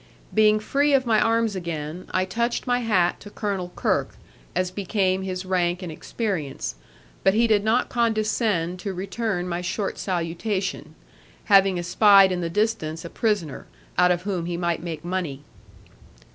Being free of my arms again, I touched my hat to Colonel Kirke, as became his rank and experience; but he did not condescend to return my short salutation, having espied in the distance a prisoner, out of whom he might make money.